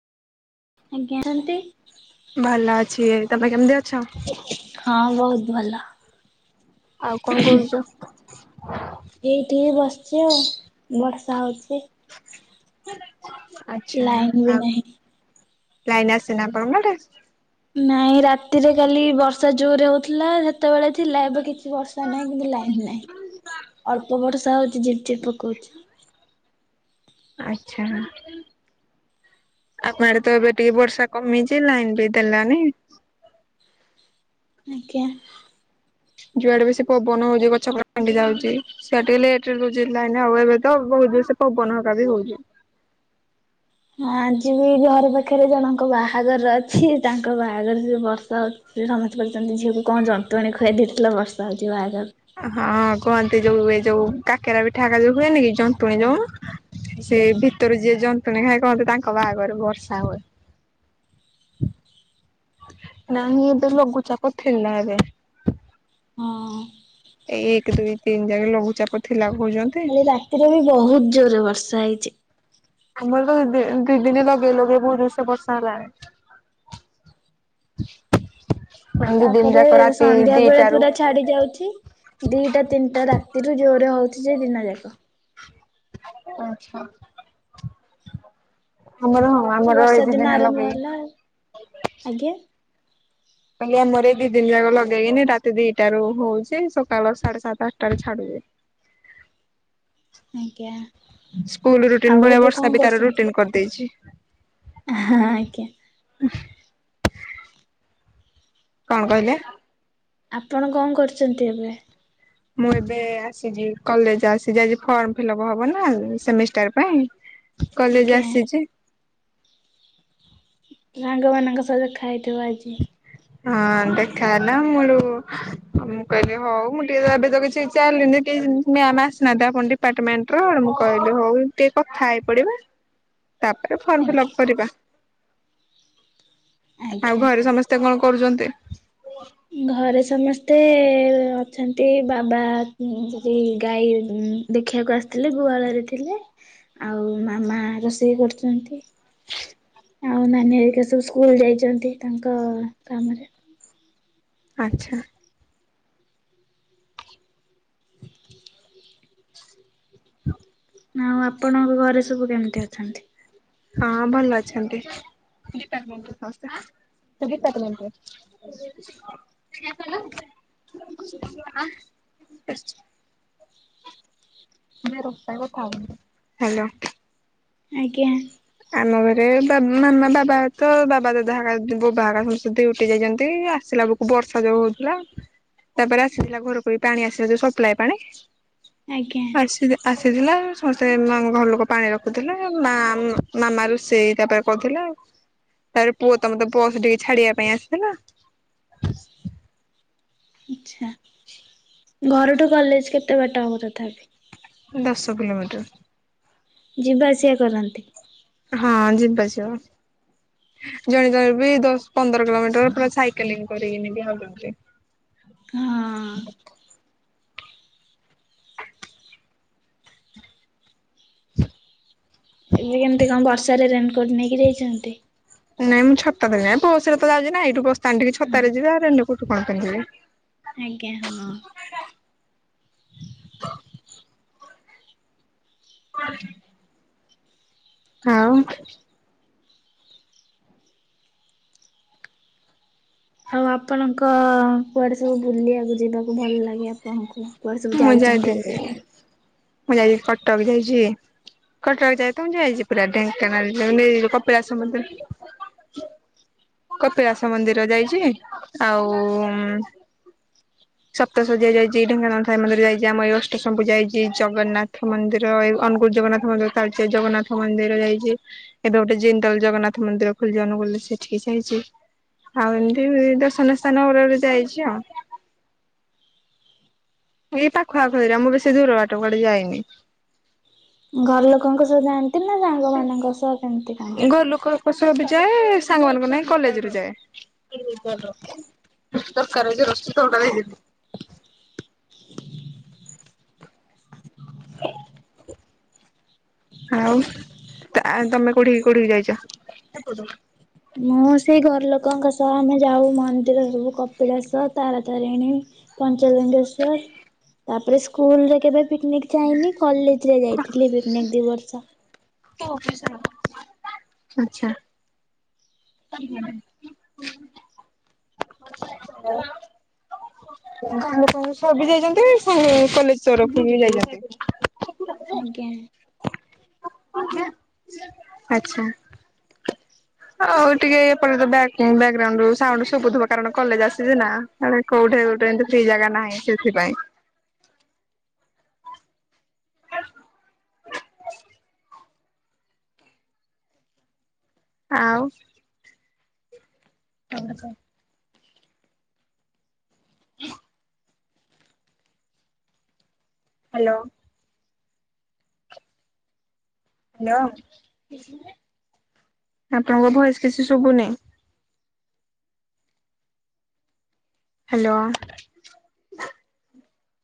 ଆଜ୍ଞା କର। ଭଲ ଅଛି। ତମେ କେମିତି ଅଛ? ହଁ ବହୁତ ଭଲ। ଆଉ କଣ କରୁଛ? ଏଇଠିକି ବସିଛି ଆଉ ବର୍ଷା ହଉଛି। ଆଚ୍ଛା ଲାଇନ ବି ଆଉ ନାହିଁ। ଲାଇନ ଆସିନି ଆପଣଙ୍କ ଆଡେ? ନାଇଁ ରାତିରେ କାଲି ବର୍ଷା ଜୋରରେ ହଉଥିଲା ସେତେବେଳେ ଥିଲା ଏବେ କିଛି ବର୍ଷା ବର୍ଷା ନାହିଁ କିନ୍ତୁ ଲାଇନ୍ ନାହିଁ ଅଳ୍ପ ବର୍ଷା ହଉଛି ଝିପ୍ ଝିପ୍ ପକଉଛି। ଆଚ୍ଛା। ଆମ ଆଡେ ତ ଏବେ ଟିକେ ବର୍ଷା କମିଛି ଲାଇନ ବି ଦେଲାନି। ଆଜ୍ଞା। ଯୁଆଡେ ବେଶୀ ପବନ ହଉଛି ଗଛ [unintelligible] ଯାଉଛି। ସେଇଆ ଟିକେ ଲେଟରେ ଦଉଛି ଲାଇନ୍ ଆଉ ଏବେ ତ ବହୁତ ଜୋରସେ ପବନ ସକାସେ ହଉଛି। ଆଜି ବି ଘର ପାଖରେ ଜଣଙ୍କ ବାହାଘର ଅଛି ତାଙ୍କ ବାହାଘରରେ ବର୍ଷା ହ ସିଏ ବି ସମସ୍ତେ କହୁଛନ୍ତି ଝିଅକୁ କଣ ଜନ୍ତୁଣି ଖୁଆଇ ଦେଇଥିଲ ବର୍ଷା ହଉଛିି ବାହାଘର ହଁ କୁହନ୍ତି ଯୋଉ ଏ ଯୋଉ କାକେରା ପିଠାକା ଯୋଉ ହୁଏନି କି? ଜନ୍ତୁଣୀ ଆଜ୍ଞା ଯୋଉ ଆଜ୍ଞା। ସେଇ ଭିତରୁ ଯିଏ ଜନ୍ତୁଣୀ ଖାଏ କହନ୍ତି ତାଙ୍କ ବାହାଘରେ ବର୍ଷା ହୁଏ। ନାହିଁ ଏବେ ଲଘୁଚାପ ଥିଲା ଏବେ। ହଁ। ଏଇ ଏକ ଦୁଇ ତିନି ଯାଏ ଲଘୁଚାପ ଥିଲା। କହୁଛନ୍ତି। କାଲି ରାତିରେ ବି ବହୁତ ଜୋରେ ବର୍ଷା ହେଇଛି। ଆମର ତ ଦିଇ ଦିନି ଲଗେଇ ଲଗେଇ ବହୁତ ଜୋରସେ ବର୍ଷା ହେଲାଣି। ଦି ଦିନ ତାପରେ ଯାକ ରାତି ସନ୍ଧ୍ୟା ବେଳେ ଦିଟାରୁ ପୁରା ଛାଡି ଯାଉଛି। ଦିଟା ତିନିଟା ରାତିରୁ ଜୋରେ ହଉଛି ଯେ ଦିନ ଯାକ। ଅହଁ। ଆମର ଆମର ବର୍ଷା ଏଇଠି ଦିନ ଦିନା ଆରମ୍ଭ ଲଗେଇ। ହେଲା ଆଉ। ଆଜ୍ଞା। ଆଜ୍ଞା ଆମର ଏଇ ଦି ଦିନ ଯାକ ଲଗେଇକିନି ରାତି ଦିଟା ରୁ ହଉଛି ସକାଳ ସାଢେ ସାତ ଆଠଟା ଛାଡୁଛି। ଆଜ୍ଞା। ସ୍କୁଲ ଆଉ ରୁଟିନ ଭଳିଆ ଏବେ କଣ ବର୍ଷା ବି ତାର ରୁଟିନ କରି ଦେଇଛି। ହଁ ଆଜ୍ଞା। [unintelligible] କଣ କହିଲେ? ଆପଣ କଣ କରିଛନ୍ତି ଏବେ? ମୁଁ ଏବେ ଆସିଛି କଲେଜ ଆସିଛି ଆଜି ଫର୍ମ ଫିଲଫହବ ନା ସେମିଷ୍ଟାର ପାଇଁ। କଲେଜ ଆଜ୍ଞା। ଆସିଛି। ଗ୍ୟାଙ୍ଗମାନଙ୍କ ସହିତ ଖାଇଥିବ ଆଜି। ହଁ ଦେଖାହେଲା ମୁଁ ହେଠୁ ମୁଁ କହିଲି ହଉ ମୁଁ ଟିକେ ଏବେ ତ କିଛି ଚାଲୁନି ଟିକେ ମାମ ଆସିନାହାନ୍ତି ଆମ ଡିପାର୍ଟମେଣ୍ଟ ର ମୁଁ କହିଲି ହଉ ଟିକେ କଥା ହେଇପଡିବା। ତାପରେ ଫର୍ମଫିଲ୍ଅପ ଆଜ୍ଞା। କରିବା। ଆଉ ଆଜ୍ଞା। ଘରେ ସମସ୍ତେ କଣ କରୁଛନ୍ତି? ଘରେ ସମସ୍ତେ ଅଛନ୍ତି ବାବା ଯଦି ଗାଈ ଦେଖିବାକୁ ଆସିଥିଲେ ଗୁହାଳରେ ଥିଲେ। ଆଉ ମାମା ରୋଷେଇ କରୁଛନ୍ତି। ଆଉ ନାନୀ ହେରିକା ସବୁ ସ୍କୁଲ ଯାଇଛନ୍ତି ତାଙ୍କ କାମରେ। ଆଚ୍ଛା। ଆଉ ଆପଣଙ୍କ ଘରେ ସବୁ କେମିତି ଅଛନ୍ତି? ହଁ ଭଲ ଅଛନ୍ତି। ଡିପାଟମେଣ୍ଟରେ ସମସ୍ତେ। [unintelligible] [unintelligible] [unintelligible] ହ୍ୟାଲୋ। ଆଜ୍ଞା। ଆମ ଘରେ ବାବା ମାମା ବାବା ତ ବାବା ଦାଦା ହେକା ବବା ହେକା ସମସ୍ତେ ଡିୟୁଟି ଯାଇଛନ୍ତି ଆସିଲା ବୁକୁ ବର୍ଷା ଯୋଉ ହଉଥିଲା ତାପରେ ଆସିଥିଲା ଘରକୁ ବି ପାଣି ଆସିଲା ସପ୍ଲାଏ ପାଣି। ଆଜ୍ଞା। ଆସି ଆସିଥିଲା ସମସ୍ତେ ଆମ ଘର ଲୋକ ପାଣି ରଖୁଥିଲେ ମା ମାମା ରୋଷେଇ ତାପରେ କରୁଥିଲା ଆଉ। ତାର ପୁଅ ତ ମତେ ପୁଅ ସେ ଟିକେ ଛାଡିବା ପାଇଁ ଆସିଥିଲା। ଆଛା ଘରଠୁ କଲେଜ କେତେ ବାଟ ହେବ ତଥାପି? ଦଶ କିଲୋମିଟର। ଯିବା ଆସିବା କରନ୍ତି? ହଁ ଯିବ ଆସିବା ଜଣେ ଜଣେ ବି ଦଶ ପନ୍ଦର କିଲୋମିଟର ପୁରା ସାଇକେଲିଂ କରିକି ବି ଆଉଛନ୍ତି। ହଁ। ଏବେ କେମିତି କଣ ବର୍ଷାରେ ରେନକୋଟ ନେଇକି ଯାଇଛନ୍ତି? ନାଇଁ ମୁଁ ଛତା ରେ ଯାଏ ବସରେ ତ ଯାଉଛିନା ଏଇଠୁଁ ବସଷାଣ୍ଡ ଛତାରେ ଯିବା ରେନିକୋଟ କଣ ପିନ୍ଧିବି। ଆଜ୍ଞା ହଁ। [unintelligible] ଆଉ। ଆଉ ଆପଣଙ୍କ କୁଆଡେ ସବୁ ବୁଲିବାକୁ ଯିବାକୁ ଭଲ ଲାଗେ ଆ? ଙ୍କୁ କୁଆଡେ ସବୁ ମୁଁ ଯାଇ ଯାଇଛନ୍ତି ଆଗରୁ? ମୁଁ ଯାଇଛିି କଟକ ଯାଇଛି। କଟକ ଯାଇ ତ ଯାଇଛି ପୁରା ଢେଙ୍କାନାଳ କପିଳାସ ମନ୍ଦିର। କପିଳାସ ମନ୍ଦିର ଯାଇଛି ଆଉ ସପ୍ତଶଯ୍ୟା ଯାଇଛି ଢେଙ୍କାନା ସାଇ ମନ୍ଦିର ଯାଇଛି ଆମ ଏ ଅଷ୍ଟଶମପୂଜା ଯାଇଛି ଜଗନ୍ନାଥ ମନ୍ଦିର ଅନୁଗୁରୁ ଜଗନ୍ନାଥ ତାଳଚେର ଜଗନ୍ନାଥ ମନ୍ଦିର ଯାଇଛି। ଏବେ ଗୋଟେ ଜିନ୍ଦଲ ଜଗନ୍ନାଥ ମନ୍ଦିର ଖୋଲଚି ଅନୁଗୁଳ ରେ ସେଠିକି ଯା ଇଛି। ଆଉ ଏମତି ଦର୍ଶନିୟ ସ୍ଥାନ ଗୋଟେ ଯାଇଛି ଆଉ। ଏଇ ପାଖଆଖରେ ମୁଁ ବେଶୀ ଦୂର ବାଟ କୁଆଡେ ଯାଇନି। ଘର ଲୋକଙ୍କ ସହ ଜାଆନ୍ତି ନା ଶାଙ୍ଗ ମାନଙ୍କ ସହ କେମତି କଣ? ପଶୁ ବି ଯାଏ ସାଙ୍ଗ ମାନଙ୍କ ନାଇଁ କଲେଜ ରୁ ଯାଏ। [unintelligible] ଆଉ ତଟତମେ କୋଉଠି କୋଉଠିିକି ଯାଇଛ? ମୁଁ ସେଇ ଘରଲୋକଙ୍କ ସହ ଆମେ ଯାଉ ମନ୍ଦିର ସବୁ କପିଳାସ ତାରାତାରିଣୀ। ପଞ୍ଚଲିଙ୍ଗେଶ୍ଵର ତାପରେ ସ୍କୁଲ ରେ କେବେ ପିକନିକ ଯାଇନି କଲେଜ ରେ ଯାଇଥିଲି ପିକ୍ନିକ୍ ଦିଇ ବର୍ଷ। ଆଛା। [unintelligible] ସବ ଯାଇଛନ୍ତି ସବୁ କଲେଜ ତରଫରୁ ବି ଯାଇଛନ୍ତି। ଆଜ୍ଞା। [unintelligible] ଆଚ୍ଛା। ଆଉ ଟିକେ ଏପଟବ୍ୟାଗ୍ ବ୍ଯାଗ୍ରାଉଣ୍ଡ ରୁ ସାଉଣ୍ଡ ସୁବୁ ଥିବ କାରଣ କଲେଜ ଆସିଛି ନା। ହାଡେ କୋଉଠି ଗୋଟେ ଏମତିି ଫ୍ରି ଜାଗା ନାହିଁ ସେଥିପା ଇଁ। [inaudible] ଆଉ ତାପରେ କ। [inaudible] ହ୍ୟାଲୋ। ହ୍ୟାଲୋ ଆପଣଙ୍କ ଭଏସ କିଛି ଶୁଭୁନି। ହ୍ୟାଲୋ।